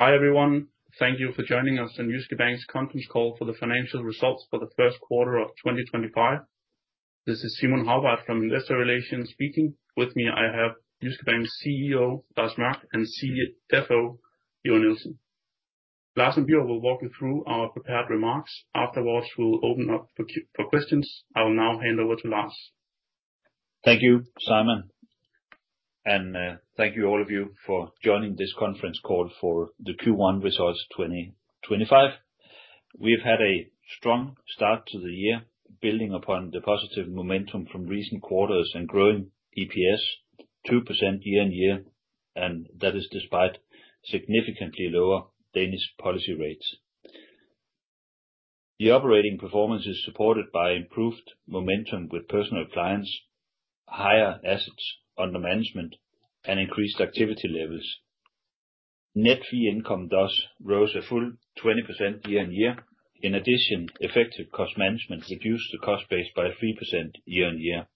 Hi everyone, thank you for joining us on Jyske Bank's conference call for the financial results for the first quarter of 2025. This is Simon Hagbart from investor relations speaking. With me I have Jyske Bank's CEO, Lars Mørch, and CFO, Bjørn Nielsen. Lars and Bjørn will walk you through our prepared remarks. Afterwards, we'll open up for questions. I will now hand over to Lars. Thank you, Simon, and thank you all of you for joining this conference call for the Q1 results 2025. We have had a strong start to the year, building upon the positive momentum from recent quarters and growing EPS, 2% year-on- year, and that is despite significantly lower Danish policy rates. The operating performance is supported by improved momentum with personal clients, higher assets under management, and increased activity levels. Net fee income thus rose a full 20% year-on-year. In addition, effective cost management reduced the cost base by 3% year on year.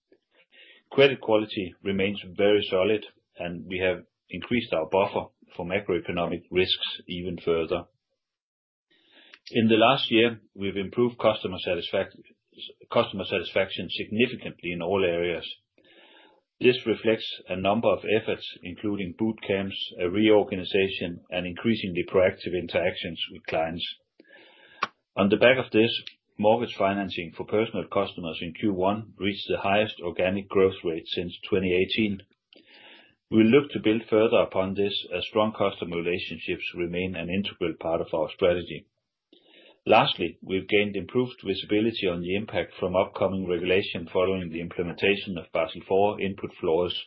Credit quality remains very solid, and we have increased our buffer for macroeconomic risks even further. In the last year, we've improved customer satisfaction significantly in all areas. This reflects a number of efforts, including boot camps, a reorganization, and increasingly proactive interactions with clients. On the back of this, mortgage financing for personal customers in Q1 reached the highest organic growth rate since 2018. We look to build further upon this as strong customer relationships remain an integral part of our strategy. Lastly, we've gained improved visibility on the impact from upcoming regulation following the implementation of Basel IV input floors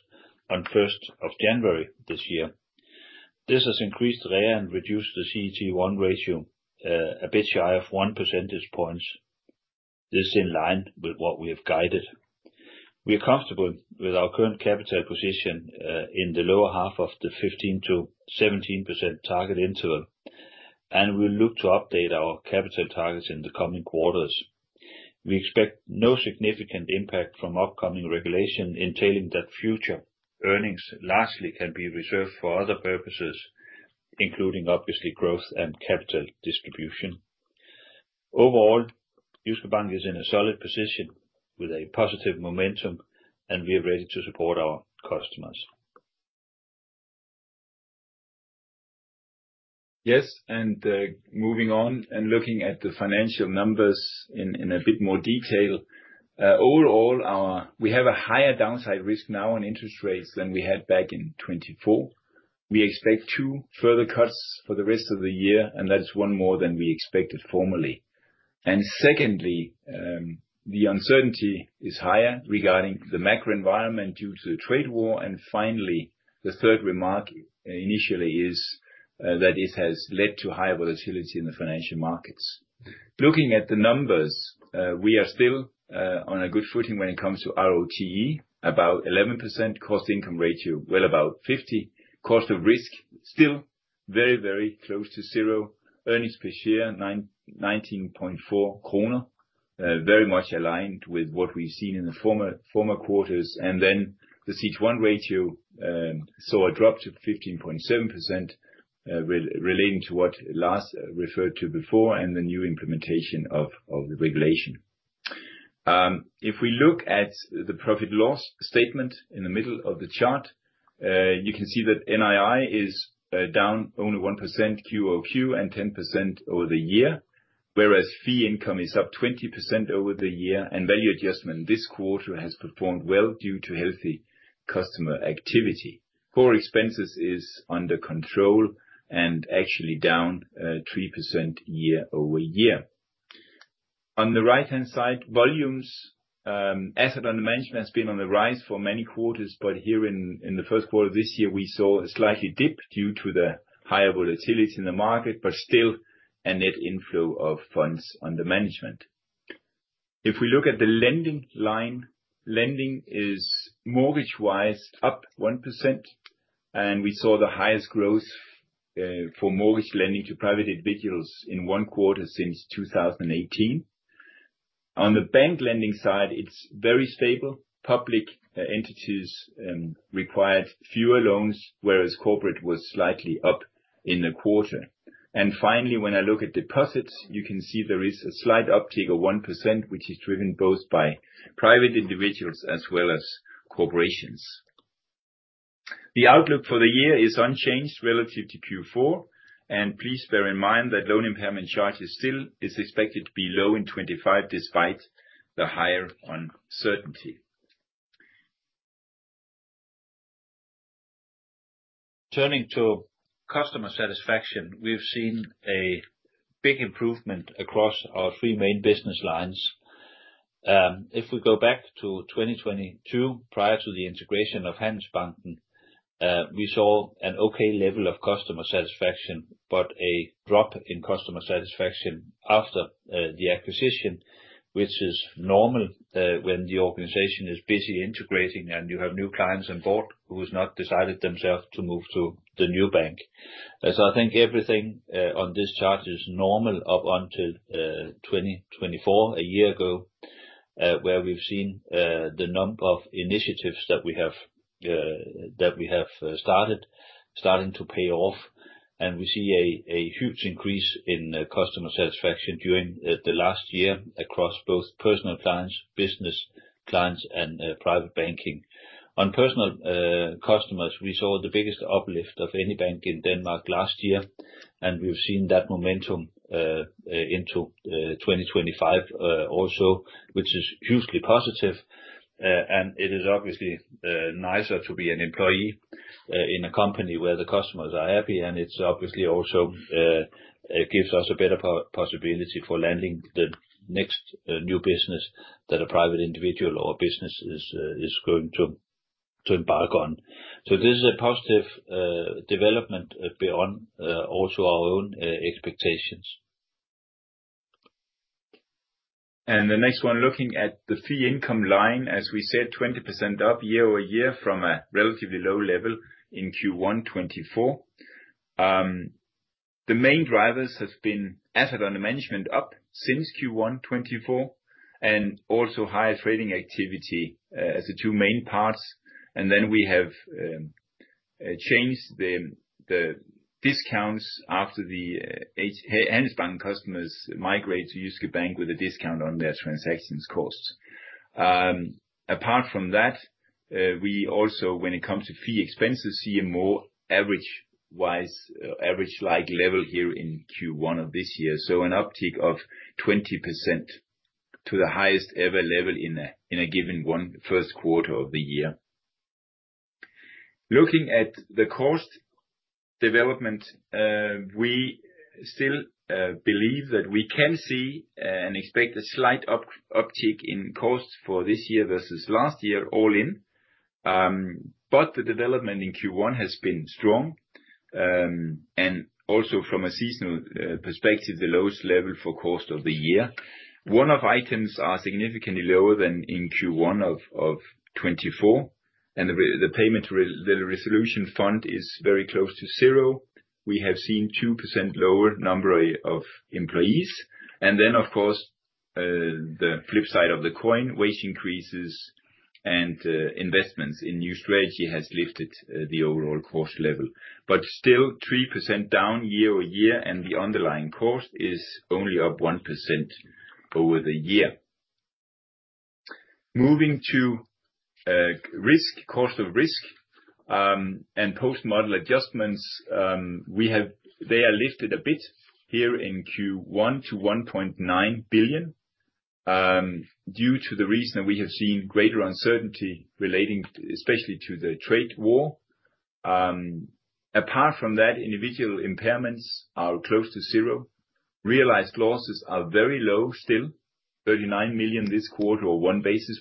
on 1st of January this year. This has increased REA and reduced the CET1 ratio a bit shy of 1 percentage point. This is in line with what we have guided. We are comfortable with our current capital position in the lower half of the 15%-17% target interval, and we'll look to update our capital targets in the coming quarters. We expect no significant impact from upcoming regulation entailing that future earnings largely can be reserved for other purposes, including obviously growth and capital distribution. Overall, Jyske Bank is in a solid position with a positive momentum, and we are ready to support our customers. Yes, moving on and looking at the financial numbers in a bit more detail, overall we have a higher downside risk now on interest rates than we had back in 2024. We expect two further cuts for the rest of the year, and that is one more than we expected formerly. Secondly, the uncertainty is higher regarding the macro environment due to the trade war. Finally, the third remark initially is that it has led to higher volatility in the financial markets. Looking at the numbers, we are still on a good footing when it comes to ROTE, about 11%, cost income ratio, well about 50%. Cost of risk still very, very close to zero. Earnings per share, 19.4 kroner, very much aligned with what we've seen in the former quarters. The CET1 ratio saw a drop to 15.7% relating to what Lars referred to before and the new implementation of the regulation. If we look at the profit loss statement in the middle of the chart, you can see that NII is down only 1% quarter-over-quarter and 10% over the year, whereas fee income is up 20% over the year, and value adjustment this quarter has performed well due to healthy customer activity. Core expenses is under control and actually down 3% year-over-year. On the right-hand side, volumes, asset under management has been on the rise for many quarters, but here in the first quarter of this year, we saw a slight dip due to the higher volatility in the market, but still a net inflow of funds under management. If we look at the lending line, lending is mortgage-wise up 1%, and we saw the highest growth for mortgage lending to private individuals in one quarter since 2018. On the bank lending side, it is very stable. Public entities required fewer loans, whereas corporate was slightly up in the quarter. Finally, when I look at deposits, you can see there is a slight uptake of 1%, which is driven both by private individuals as well as corporations. The outlook for the year is unchanged relative to Q4, and please bear in mind that loan impairment charge is still expected to be low in 2025 despite the higher uncertainty. Turning to customer satisfaction, we've seen a big improvement across our three main business lines. If we go back to 2022, prior to the integration of Handelsbanken, we saw an okay level of customer satisfaction, but a drop in customer satisfaction after the acquisition, which is normal when the organization is busy integrating and you have new clients on board who have not decided themselves to move to the new bank. I think everything on this chart is normal up until 2024, a year ago, where we've seen the number of initiatives that we have started starting to pay off, and we see a huge increase in customer satisfaction during the last year across both personal clients, business clients, and private banking. On personal customers, we saw the biggest uplift of any bank in Denmark last year, and we've seen that momentum into 2025 also, which is hugely positive. It is obviously nicer to be an employee in a company where the customers are happy, and it obviously also gives us a better possibility for landing the next new business that a private individual or business is going to embark on. This is a positive development beyond also our own expectations. Looking at the fee income line, as we said, 20% up year-over-year from a relatively low level in Q1 2024. The main drivers have been asset under management up since Q1 2024 and also higher trading activity as the two main parts. We have changed the discounts after the Handelsbanken customers migrate to Jyske Bank with a discount on their transaction costs. Apart from that, we also, when it comes to fee expenses, see a more average-wise average-like level here in Q1 of this year, so an uptick of 20% to the highest ever level in a given first quarter of the year. Looking at the cost development, we still believe that we can see and expect a slight uptick in cost for this year versus last year all in, but the development in Q1 has been strong. Also from a seasonal perspective, the lowest level for cost of the year. One-off items are significantly lower than in Q1 of 2024, and the payment resolution fund is very close to zero. We have seen 2% lower number of employees. Of course, the flip side of the coin, wage increases and investments in new strategy has lifted the overall cost level, but still 3% down year over year, and the underlying cost is only up 1% over the year. Moving to risk, cost of risk and post-model adjustments, they are lifted a bit here in Q1 to 1.9 billion due to the reason that we have seen greater uncertainty relating especially to the trade war. Apart from that, individual impairments are close to zero. Realized losses are very low still, 39 million this quarter or one basis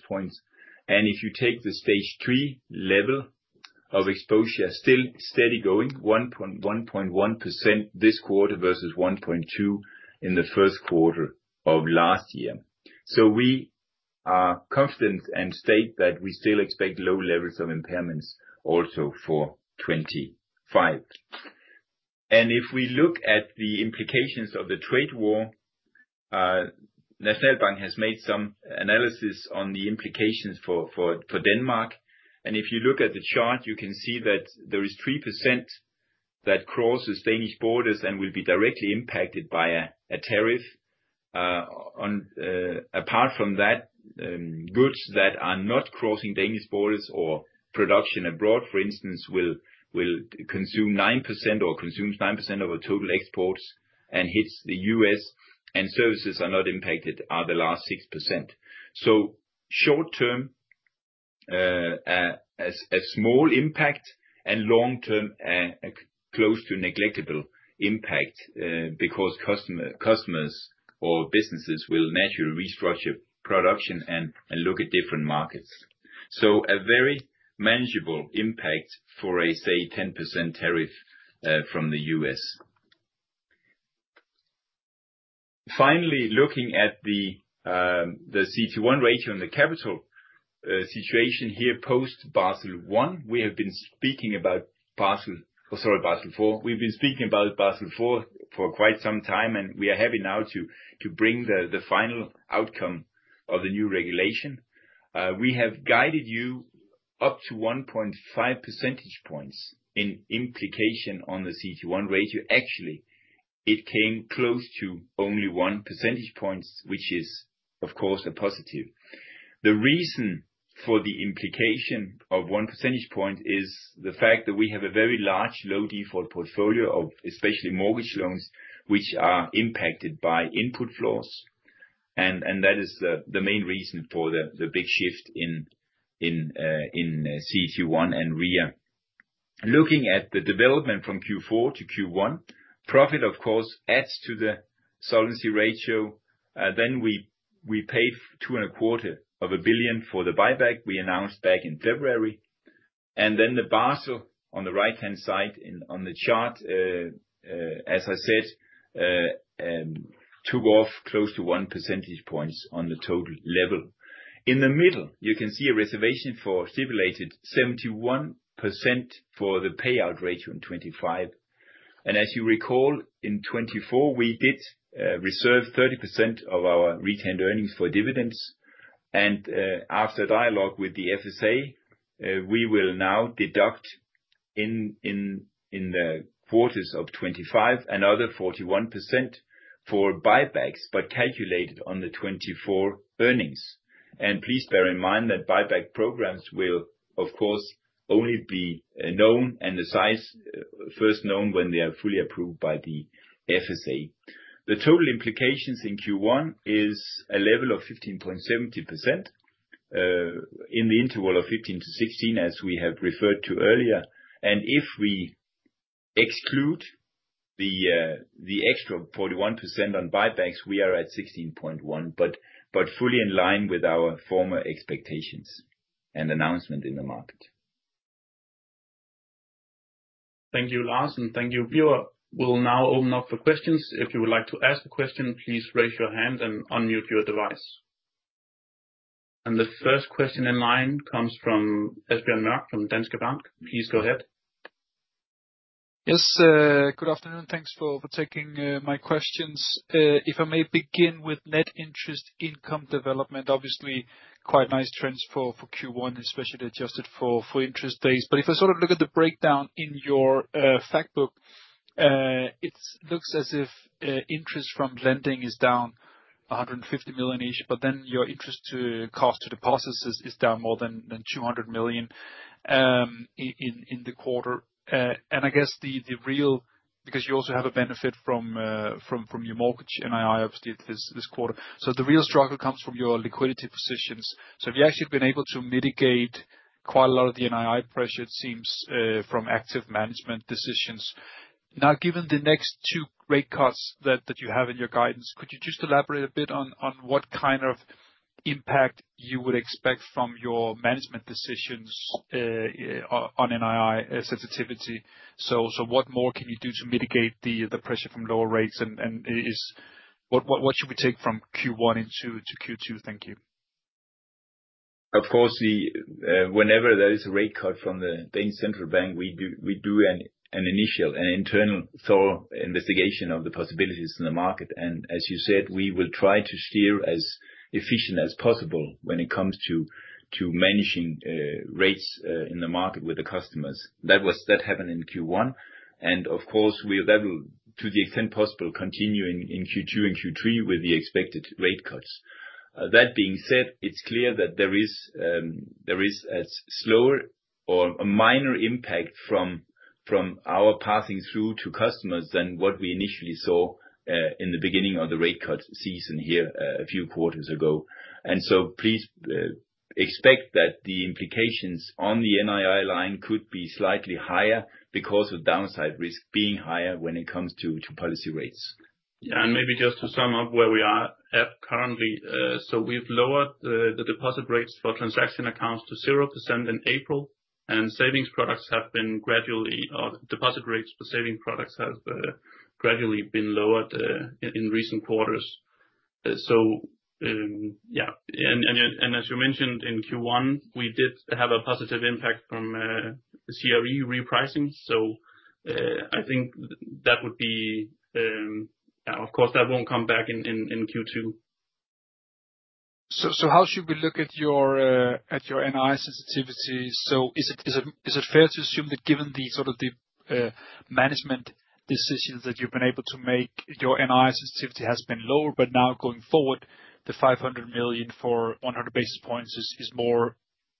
point. If you take the stage three level of exposure, still steady going, 1.1% this quarter versus 1.2% in the first quarter of last year. We are confident and state that we still expect low levels of impairments also for 2025. If we look at the implications of the trade war, Nationalbank has made some analysis on the implications for Denmark. If you look at the chart, you can see that there is 3% that crosses Danish borders and will be directly impacted by a tariff. Apart from that, goods that are not crossing Danish borders or production abroad, for instance, will consume 9% or consumes 9% of our total exports and hits the U.S., and services are not impacted are the last 6%. Short-term, a small impact, and long-term, close to negligible impact because customers or businesses will naturally restructure production and look at different markets. A very manageable impact for a, say, 10% tariff from the U.S. Finally, looking at the CET1 ratio and the capital situation here post-Basel I, we have been speaking about Basel IV. We've been speaking about Basel IV for quite some time, and we are happy now to bring the final outcome of the new regulation. We have guided you up to 1.5 percentage points in implication on the CET1 ratio. Actually, it came close to only 1 percentage point, which is, of course, a positive. The reason for the implication of 1 percentage point is the fact that we have a very large low default portfolio of especially mortgage loans, which are impacted by input floors. That is the main reason for the big shift in CET1 and REA. Looking at the development from Q4 to Q1, profit, of course, adds to the solvency ratio. We paid 2.25 billion for the buyback we announced back in February. The Basel on the right-hand side on the chart, as I said, took off close to 1 percentage point on the total level. In the middle, you can see a reservation for stipulated 71% for the payout ratio in 2025. As you recall, in 2024, we did reserve 30% of our retained earnings for dividends. After dialogue with the FSA, we will now deduct in the quarters of 2025 another 41% for buybacks, but calculated on the 2024 earnings. Please bear in mind that buyback programs will, of course, only be known and the size first known when they are fully approved by the FSA. The total implications in Q1 is a level of 15.70% in the interval of 15%-16%, as we have referred to earlier. If we exclude the extra 41% on buybacks, we are at 16.1%, but fully in line with our former expectations and announcement in the market. Thank you, Lars, and thank you, Bjørn. We will now open up for questions. If you would like to ask a question, please raise your hand and unmute your device. The first question in line comes from Asbjørn Mørk from Danske Bank. Please go ahead. Yes, good afternoon. Thanks for taking my questions. If I may begin with net interest income development, obviously quite nice trends for Q1, especially adjusted for interest days. If I sort of look at the breakdown in your factbook, it looks as if interest from lending is down 150 million-ish, but then your interest cost to deposits is down more than 200 million in the quarter. I guess the real, because you also have a benefit from your mortgage NII, obviously, this quarter. The real struggle comes from your liquidity positions. We actually have been able to mitigate quite a lot of the NII pressure, it seems, from active management decisions. Now, given the next two rate cuts that you have in your guidance, could you just elaborate a bit on what kind of impact you would expect from your management decisions on NII sensitivity? What more can you do to mitigate the pressure from lower rates? What should we take from Q1 into Q2? Thank you. Of course, whenever there is a rate cut from the Danish central bank, we do an initial and internal thorough investigation of the possibilities in the market. As you said, we will try to steer as efficiently as possible when it comes to managing rates in the market with the customers. That happened in Q1. Of course, we will, to the extent possible, continue in Q2 and Q3 with the expected rate cuts. That being said, it is clear that there is a slower or a minor impact from our passing through to customers than what we initially saw in the beginning of the rate cut season here a few quarters ago. Please expect that the implications on the NII line could be slightly higher because of downside risk being higher when it comes to policy rates. Yeah, and maybe just to sum up where we are at currently, we have lowered the deposit rates for transaction accounts to 0% in April, and deposit rates for savings products have gradually been lowered in recent quarters. Yeah, and as you mentioned, in Q1, we did have a positive impact from CRE repricing. I think that would be, of course, that will not come back in Q2. How should we look at your NII sensitivity? Is it fair to assume that given the sort of the management decisions that you've been able to make, your NII sensitivity has been lower, but now going forward, the 500 million for 100 basis points is more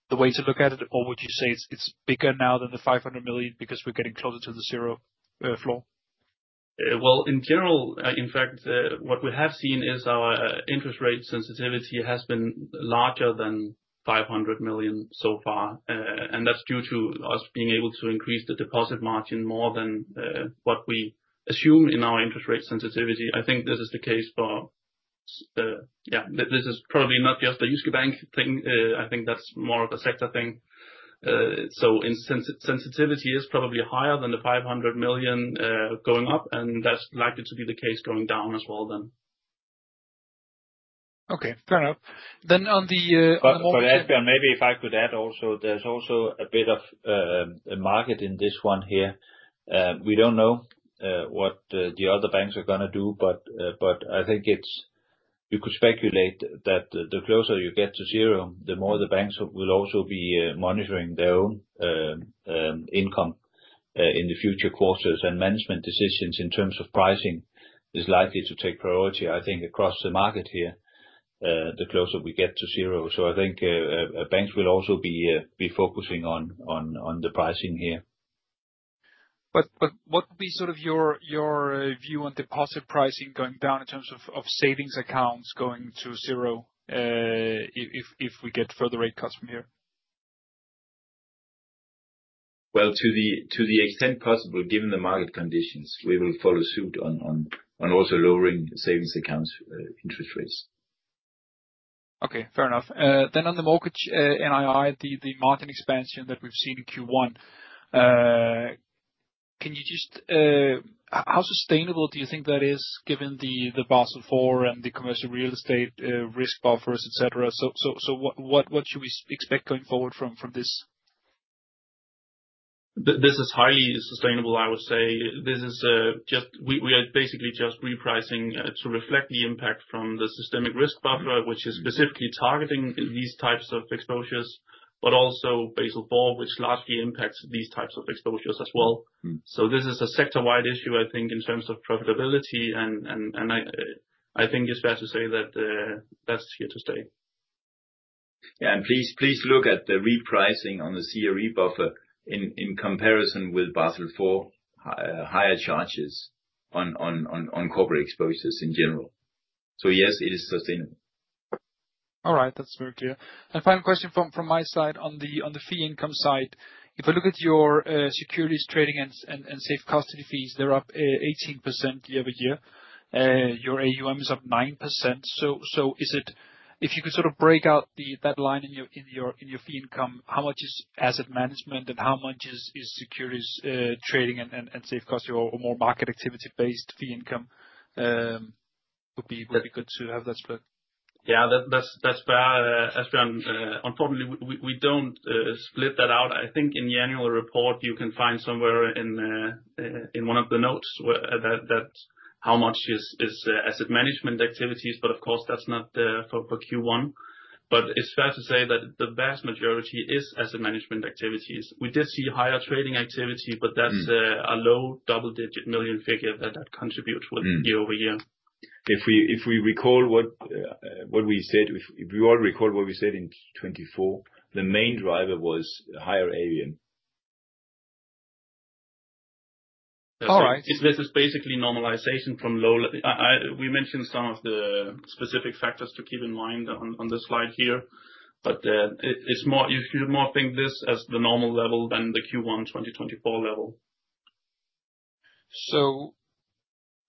the way to look at it? Or would you say it's bigger now than the 500 million because we're getting closer to the zero floor? In general, in fact, what we have seen is our interest rate sensitivity has been larger than 500 million so far. That is due to us being able to increase the deposit margin more than what we assume in our interest rate sensitivity. I think this is the case for, yeah, this is probably not just a Jyske Bank thing. I think that is more of a sector thing. Sensitivity is probably higher than the 500 million going up, and that is likely to be the case going down as well then. Okay, fair enough. Then on the. Asbjørn, maybe if I could add also, there's also a bit of a market in this one here. We don't know what the other banks are going to do, but I think it's, you could speculate that the closer you get to zero, the more the banks will also be monitoring their own income in the future quarters. Management decisions in terms of pricing are likely to take priority, I think, across the market here the closer we get to zero. I think banks will also be focusing on the pricing here. What would be sort of your view on deposit pricing going down in terms of savings accounts going to zero if we get further rate cuts from here? To the extent possible, given the market conditions, we will follow suit on also lowering savings accounts interest rates. Okay, fair enough. On the mortgage NII, the margin expansion that we've seen in Q1, can you just, how sustainable do you think that is given the Basel IV and the commercial real estate risk buffers, etc.? What should we expect going forward from this? This is highly sustainable, I would say. This is just, we are basically just repricing to reflect the impact from the systemic risk buffer, which is specifically targeting these types of exposures, but also Basel IV, which largely impacts these types of exposures as well. This is a sector-wide issue, I think, in terms of profitability. I think it's fair to say that that's here to stay. Yeah, and please look at the repricing on the CRE buffer in comparison with Basel IV, higher charges on corporate exposures in general. So yes, it is sustainable. All right, that's very clear. Final question from my side on the fee income side. If I look at your securities trading and safe custody fees, they're up 18% year over year. Your AUM is up 9%. If you could sort of break out that line in your fee income, how much is asset management and how much is securities trading and safe custody or more market activity-based fee income, it would be good to have that split? Yeah, that's fair. Asbjørn, unfortunately, we don't split that out. I think in the annual report, you can find somewhere in one of the notes that how much is asset management activities, but of course, that's not for Q1. It's fair to say that the vast majority is asset management activities. We did see higher trading activity, but that's a low double-digit million figure that contributes year over year. If we recall what we said, if you all recall what we said in 2024, the main driver was higher AUM. All right. This is basically normalization from low. We mentioned some of the specific factors to keep in mind on the slide here, but you should more think this as the normal level than the Q1 2024 level.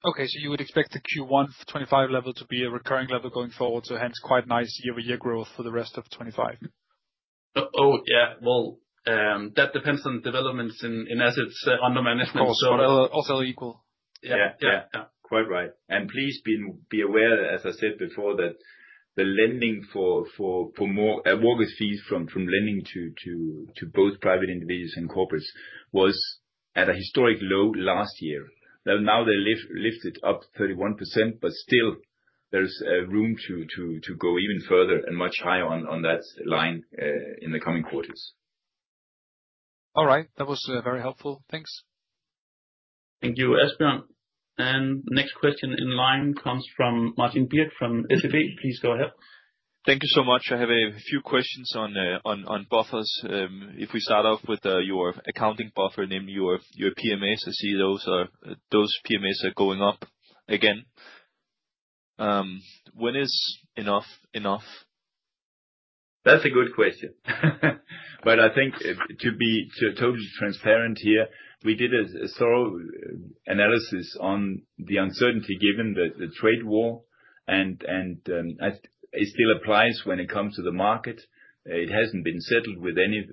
Okay, so you would expect the Q1 2025 level to be a recurring level going forward, so hence quite nice year-over-year growth for the rest of 2025? Oh, yeah. That depends on developments in assets under management, so. Costs are also equal. Yeah, quite right. Please be aware, as I said before, that the lending for mortgage fees from lending to both private individuals and corporates was at a historic low last year. Now they lifted up 31%, but still, there's room to go even further and much higher on that line in the coming quarters. All right, that was very helpful. Thanks. Thank you, Asbjørn. Next question in line comes from Martin Birk from SEB. Please go ahead. Thank you so much. I have a few questions on buffers. If we start off with your accounting buffer, namely your PMS, I see those PMS are going up again. When is enough enough? That's a good question. I think to be totally transparent here, we did a thorough analysis on the uncertainty given the trade war, and it still applies when it comes to the market. It has not been settled with any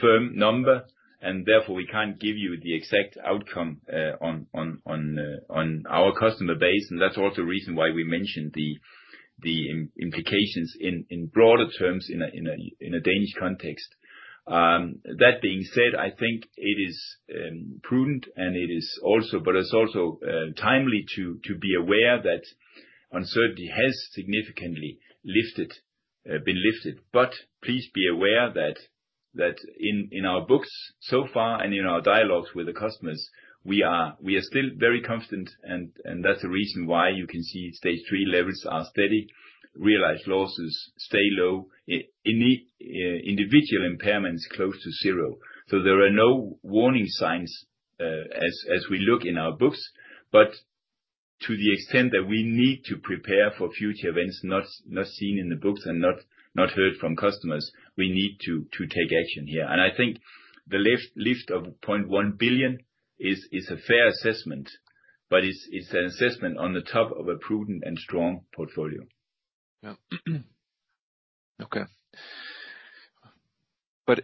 firm number, and therefore, we cannot give you the exact outcome on our customer base. That is also the reason why we mentioned the implications in broader terms in a Danish context. That being said, I think it is prudent, and it is also timely to be aware that uncertainty has significantly been lifted. Please be aware that in our books so far and in our dialogues with the customers, we are still very confident, and that is the reason why you can see stage three levels are steady, realized losses stay low, individual impairments close to zero. There are no warning signs as we look in our books, but to the extent that we need to prepare for future events not seen in the books and not heard from customers, we need to take action here. I think the lift of 0.1 billion is a fair assessment, but it is an assessment on the top of a prudent and strong portfolio. Yeah. Okay. Does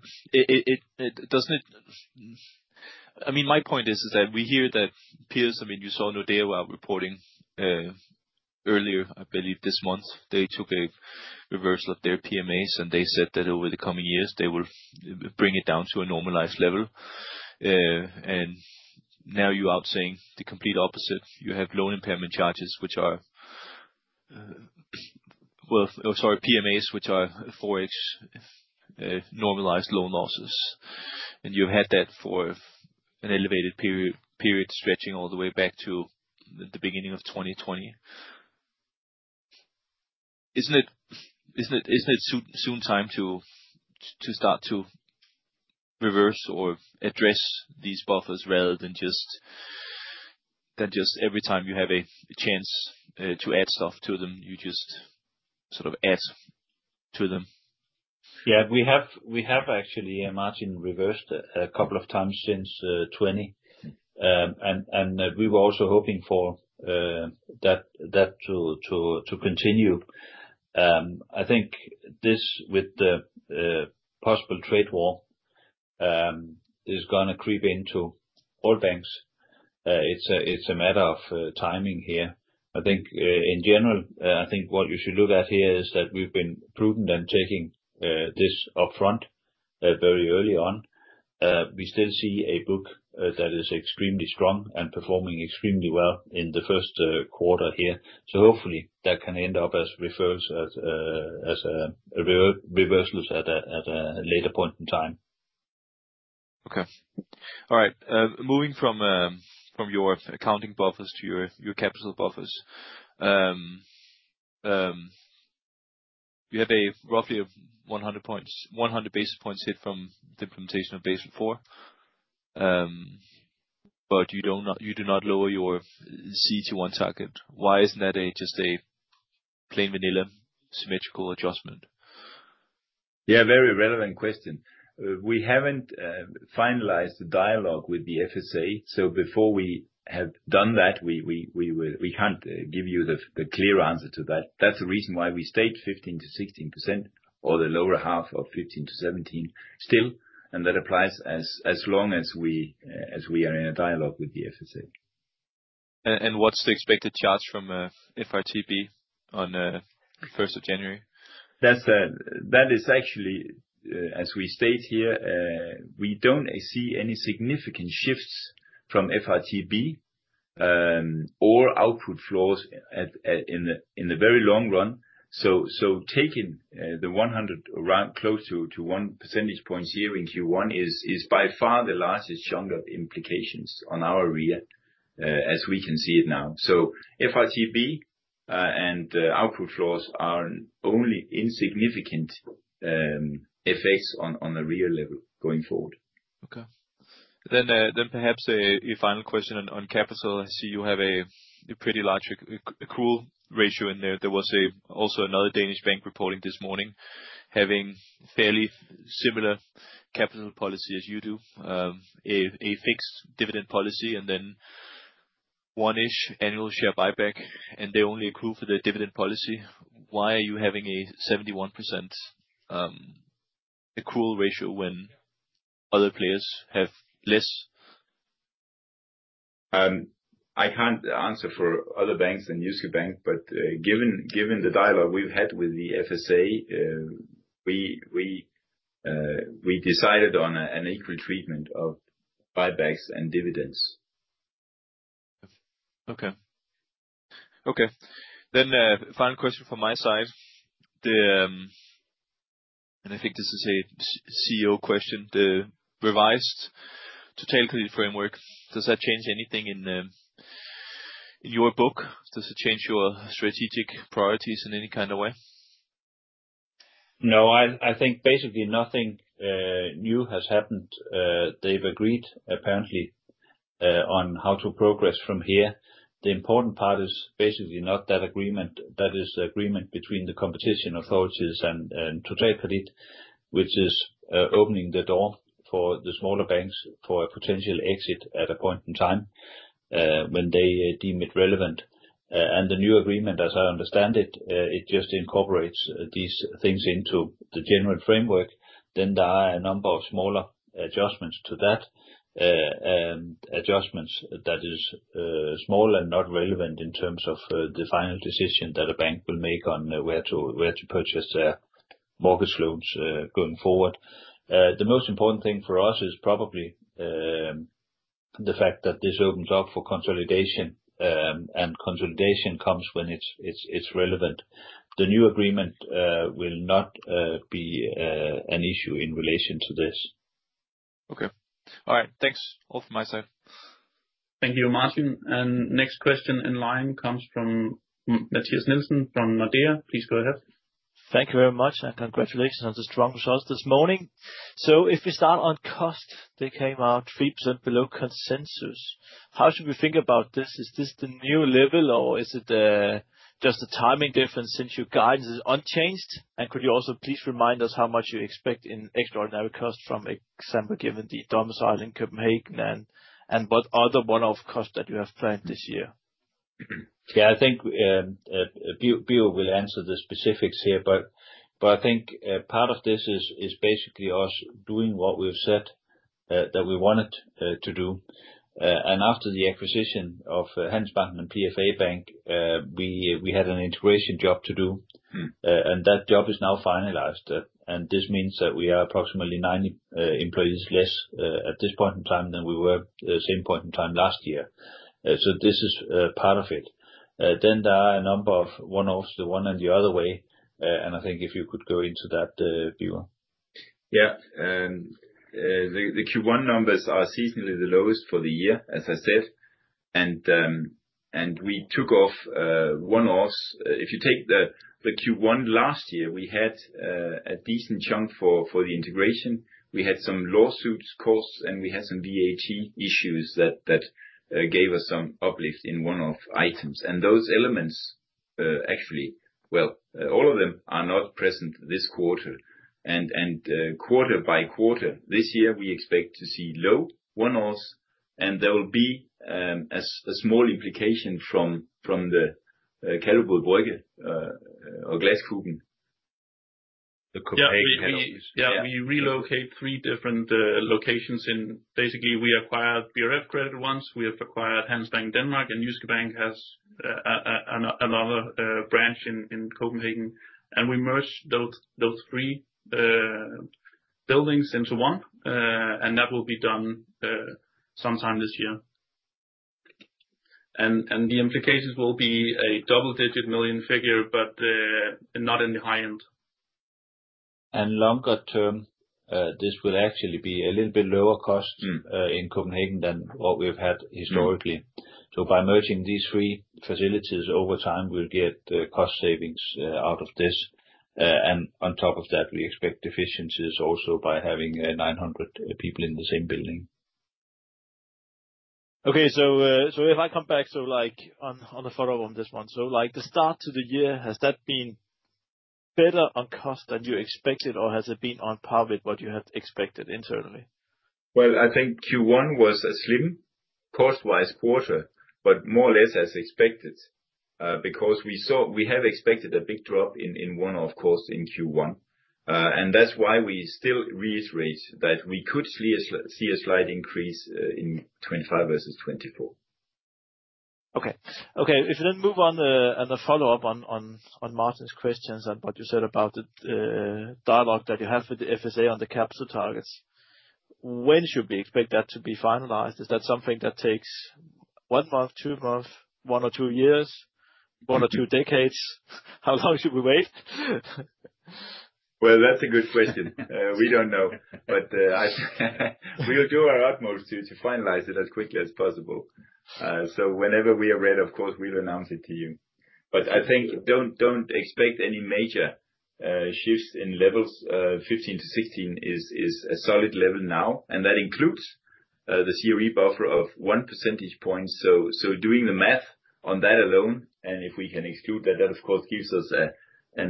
it not, I mean, my point is that we hear that peers, I mean, you saw Nordea were reporting earlier, I believe, this month, they took a reversal of their PMAs, and they said that over the coming years, they will bring it down to a normalized level. Now you are out saying the complete opposite. You have loan impairment charges, which are, well, sorry, PMAs, which are 4X normalized loan losses. You have had that for an elevated period stretching all the way back to the beginning of 2020. Is it not soon time to start to reverse or address these buffers rather than just every time you have a chance to add stuff to them, you just sort of add to them? Yeah, we have actually a margin reversed a couple of times since 2020. We were also hoping for that to continue. I think this with the possible trade war is going to creep into all banks. It's a matter of timing here. I think in general, what you should look at here is that we've been prudent in taking this upfront very early on. We still see a book that is extremely strong and performing extremely well in the first quarter here. Hopefully, that can end up as reversals at a later point in time. Okay. All right. Moving from your accounting buffers to your capital buffers, you have roughly 100 basis points hit from the implementation of Basel IV, but you do not lower your CET1 target. Why isn't that just a plain vanilla symmetrical adjustment? Yeah, very relevant question. We have not finalized the dialogue with the FSA. So before we have done that, we cannot give you the clear answer to that. That is the reason why we stayed 15%-16% or the lower half of 15%-17% still, and that applies as long as we are in a dialogue with the FSA. What's the expected charge from FRTB on the 1st of January? That is actually, as we state here, we do not see any significant shifts from FRTB or output floors in the very long run. Taking the 100 close to 1 percentage point here in Q1 is by far the largest chunk of implications on our REA as we can see it now. FRTB and output floors are only insignificant effects on the REA level going forward. Okay. Then perhaps a final question on capital. I see you have a pretty large accrual ratio in there. There was also another Danish bank reporting this morning having fairly similar capital policy as you do, a fixed dividend policy, and then one-ish annual share buyback, and they only accrue for the dividend policy. Why are you having a 71% accrual ratio when other players have less? I can't answer for other banks than Jyske Bank, but given the dialogue we've had with the FSA, we decided on an equal treatment of buybacks and dividends. Okay. Okay. Final question from my side. I think this is a CEO question. The revised totality framework, does that change anything in your book? Does it change your strategic priorities in any kind of way? No, I think basically nothing new has happened. They have agreed apparently on how to progress from here. The important part is basically not that agreement. That is the agreement between the competition authorities and Total Credit, which is opening the door for the smaller banks for a potential exit at a point in time when they deem it relevant. The new agreement, as I understand it, just incorporates these things into the general framework. There are a number of smaller adjustments to that, adjustments that are small and not relevant in terms of the final decision that a bank will make on where to purchase their mortgage loans going forward. The most important thing for us is probably the fact that this opens up for consolidation, and consolidation comes when it is relevant. The new agreement will not be an issue in relation to this. Okay. All right. Thanks. All from my side. Thank you, Martin. Next question in line comes from Mathias Nielsen from Nordea. Please go ahead. Thank you very much, and congratulations on the strong results this morning. If we start on cost, they came out 3% below consensus. How should we think about this? Is this the new level, or is it just a timing difference since your guidance is unchanged? Could you also please remind us how much you expect in extraordinary costs from, for example, given the domicile in Copenhagen and what other one-off costs that you have planned this year? Yeah, I think Bjørn will answer the specifics here, but I think part of this is basically us doing what we've said that we wanted to do. After the acquisition of Handelsbanken and PFA Bank, we had an integration job to do, and that job is now finalized. This means that we are approximately 90 employees less at this point in time than we were at the same point in time last year. This is part of it. There are a number of one-offs, the one and the other way, and I think if you could go into that, Bjørn. Yeah, the Q1 numbers are seasonally the lowest for the year, as I said, and we took off one-offs. If you take the Q1 last year, we had a decent chunk for the integration. We had some lawsuits costs, and we had some VAT issues that gave us some uplift in one-off items. Those elements, actually, well, all of them are not present this quarter. Quarter by quarter, this year, we expect to see low one-offs, and there will be a small implication from the Kalvebod Brygge or Glaskuben. The Copenhagen Heavies. Yeah, we relocate three different locations in. Basically, we acquired Handelsbanken Danmark once. We have acquired Handelsbanken Danmark, and Jyske Bank has another branch in Copenhagen. We merged those three buildings into one, and that will be done sometime this year. The implications will be a double-digit million figure, but not in the high end. Longer term, this will actually be a little bit lower cost in Copenhagen than what we've had historically. By merging these three facilities over time, we'll get cost savings out of this. On top of that, we expect efficiencies also by having 900 people in the same building. Okay. If I come back to on the follow-up on this one, the start to the year, has that been better on cost than you expected, or has it been on par with what you had expected internally? I think Q1 was a slim cost-wise quarter, but more or less as expected because we have expected a big drop in one-off costs in Q1. That is why we still reiterate that we could see a slight increase in 2025 versus 2024. Okay. Okay. If we then move on, the follow-up on Martin's questions and what you said about the dialogue that you have with the FSA on the capital targets, when should we expect that to be finalized? Is that something that takes one month, two months, one or two years, one or two decades? How long should we wait? That's a good question. We don't know, but we'll do our utmost to finalize it as quickly as possible. Whenever we are ready, of course, we'll announce it to you. I think don't expect any major shifts in levels. 15%-16% is a solid level now, and that includes the COE buffer of 1 percentage point. Doing the math on that alone, and if we can exclude that, that, of course, gives us a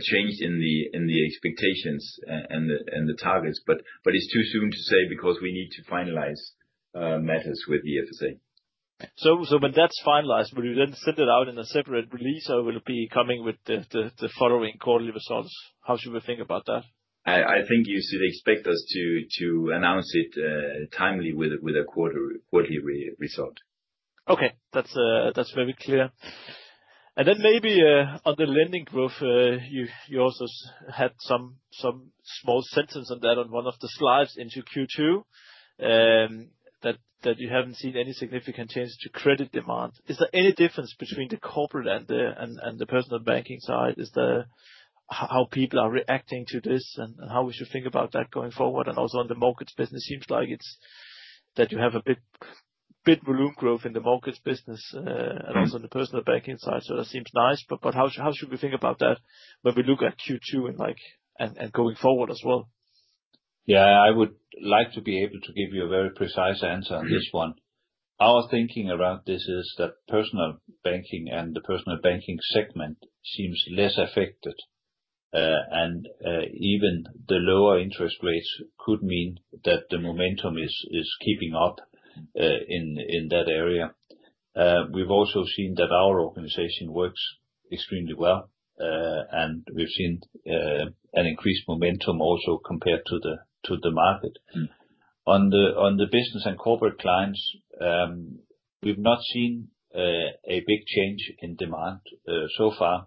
change in the expectations and the targets. It's too soon to say because we need to finalize matters with the FSA. When that's finalized, will you then send it out in a separate release, or will it be coming with the following quarterly results? How should we think about that? I think you should expect us to announce it timely with a quarterly result. Okay. That's very clear. Maybe on the lending growth, you also had some small sentence on that on one of the slides into Q2 that you haven't seen any significant change to credit demand. Is there any difference between the corporate and the personal banking side? Is there how people are reacting to this and how we should think about that going forward? Also on the mortgage business, it seems like you have a bit volume growth in the mortgage business and also on the personal banking side. That seems nice, but how should we think about that when we look at Q2 and going forward as well? Yeah, I would like to be able to give you a very precise answer on this one. Our thinking around this is that personal banking and the personal banking segment seems less affected, and even the lower interest rates could mean that the momentum is keeping up in that area. We have also seen that our organization works extremely well, and we have seen an increased momentum also compared to the market. On the business and corporate clients, we have not seen a big change in demand so far,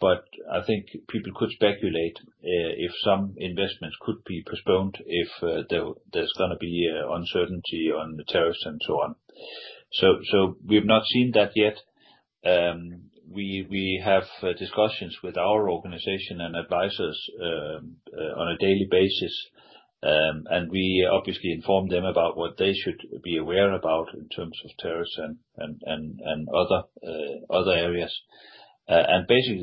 but I think people could speculate if some investments could be postponed if there is going to be uncertainty on the tariffs and so on. We have not seen that yet. We have discussions with our organization and advisors on a daily basis, and we obviously inform them about what they should be aware about in terms of tariffs and other areas.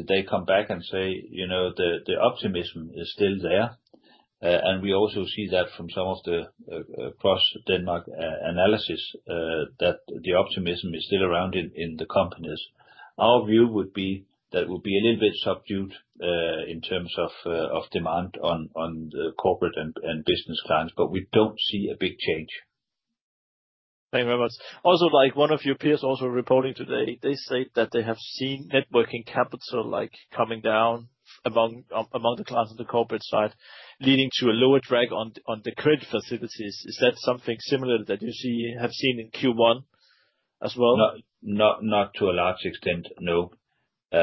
They come back and say, "The optimism is still there." We also see that from some of the cross-Denmark analysis that the optimism is still around in the companies. Our view would be that it would be a little bit subdued in terms of demand on the corporate and business clients, but we do not see a big change. Thank you very much. Also, one of your peers also reporting today, they say that they have seen networking capital coming down among the clients on the corporate side, leading to a lower drag on the current facilities. Is that something similar that you have seen in Q1 as well? Not to a large extent, no. We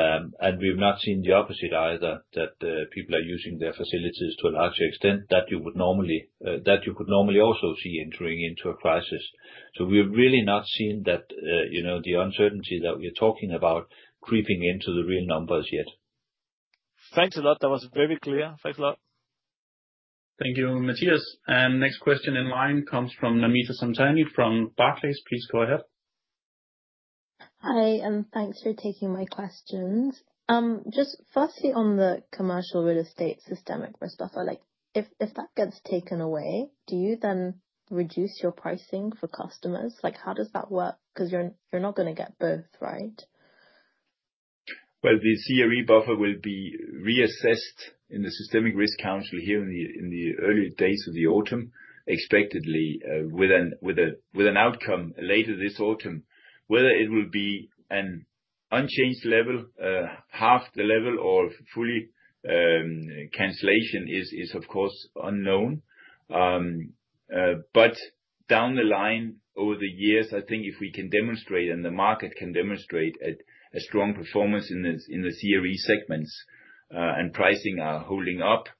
have not seen the opposite either, that people are using their facilities to a large extent that you would normally also see entering into a crisis. We have really not seen that the uncertainty that we are talking about creeping into the real numbers yet. Thanks a lot. That was very clear. Thanks a lot. Thank you, Mathias. Next question in line comes from Namita Samtani from Barclays. Please go ahead. Hi, and thanks for taking my questions. Just firstly, on the commercial real estate systemic risk buffer, if that gets taken away, do you then reduce your pricing for customers? How does that work? Because you're not going to get both, right? The CRE buffer will be reassessed in the systemic risk council here in the early days of the autumn, expectedly with an outcome later this autumn. Whether it will be an unchanged level, half the level, or fully cancellation is, of course, unknown. Down the line, over the years, I think if we can demonstrate and the market can demonstrate a strong performance in the CRE segments and pricing are holding up,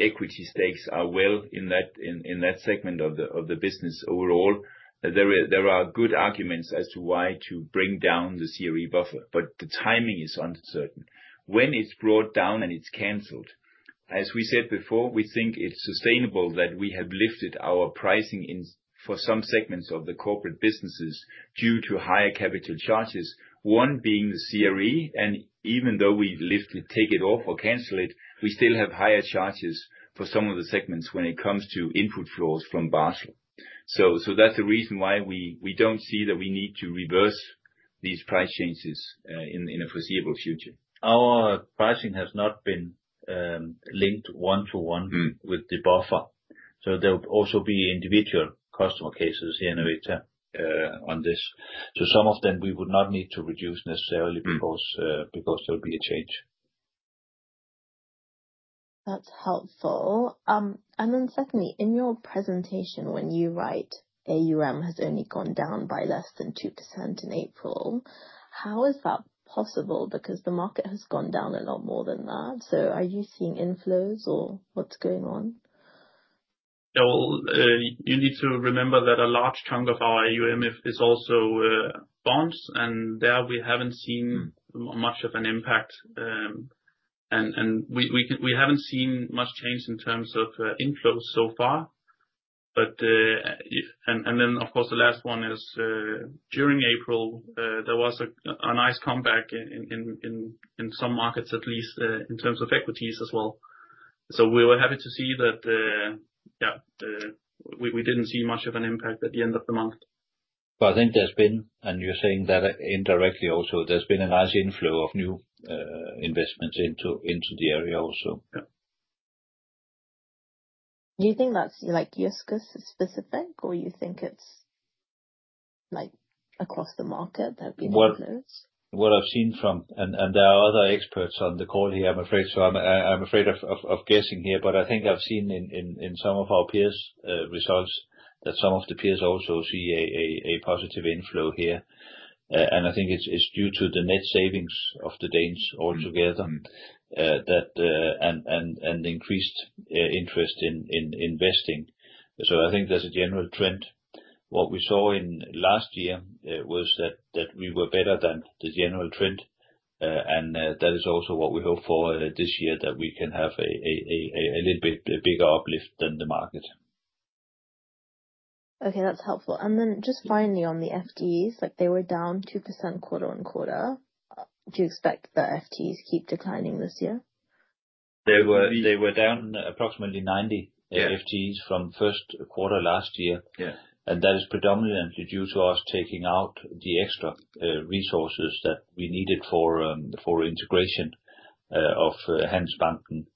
equity stakes are well in that segment of the business overall, there are good arguments as to why to bring down the CRE buffer. The timing is uncertain. When it is brought down and it is canceled, as we said before, we think it is sustainable that we have lifted our pricing for some segments of the corporate businesses due to higher capital charges, one being the CRE. Even though we take it off or cancel it, we still have higher charges for some of the segments when it comes to input flows from Barclays. That is the reason why we do not see that we need to reverse these price changes in a foreseeable future. Our pricing has not been linked one-to-one with the buffer. There would also be individual customer cases here in Nordea on this. Some of them we would not need to reduce necessarily because there would be a change. That's helpful. Secondly, in your presentation, when you write AUM has only gone down by less than 2% in April, how is that possible? Because the market has gone down a lot more than that. Are you seeing inflows or what's going on? You need to remember that a large chunk of our AUM is also bonds, and there we have not seen much of an impact. We have not seen much change in terms of inflows so far. Of course, the last one is during April, there was a nice comeback in some markets, at least in terms of equities as well. We were happy to see that, yeah, we did not see much of an impact at the end of the month. I think there's been, and you're saying that indirectly also, there's been a nice inflow of new investments into the area also. Yeah. Do you think that's Jyske's specific, or you think it's across the market that would be the inflows? What I've seen from, and there are other experts on the call here, I'm afraid to, I'm afraid of guessing here, but I think I've seen in some of our peers' results that some of the peers also see a positive inflow here. I think it's due to the net savings of the Danes altogether and the increased interest in investing. I think there's a general trend. What we saw in last year was that we were better than the general trend, and that is also what we hope for this year, that we can have a little bit bigger uplift than the market. Okay. That's helpful. Just finally on the FTEs, they were down 2% quarter-on-quarter. Do you expect the FTEs to keep declining this year? They were down approximately 90 FTEs from first quarter last year. That is predominantly due to us taking out the extra resources that we needed for integration of Handelsbanken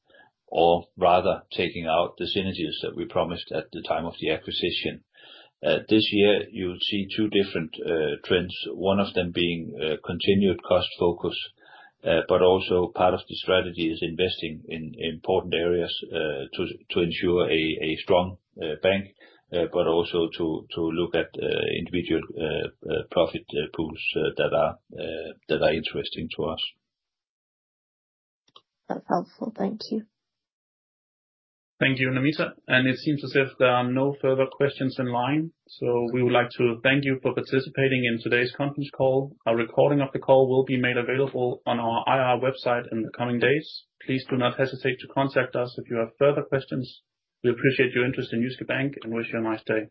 or rather taking out the synergies that we promised at the time of the acquisition. This year, you'll see two different trends, one of them being continued cost focus, but also part of the strategy is investing in important areas to ensure a strong bank, but also to look at individual profit pools that are interesting to us. That's helpful. Thank you. Thank you, Namita. It seems as if there are no further questions in line. We would like to thank you for participating in today's conference call. A recording of the call will be made available on our IR website in the coming days. Please do not hesitate to contact us if you have further questions. We appreciate your interest in Jyske Bank and wish you a nice day.